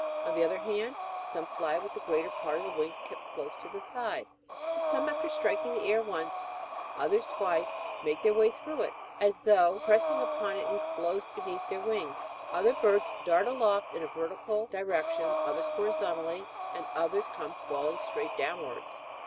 On the other hand, some fly with the greater part of the Avings kept close to the side ; and some, after striking the air once, others twice, make their way through it, as though pressing upon it enclosed beneath their wings ; other birds dart aloft in a vertical di rection, others horizontally, and others come falling straight downwards.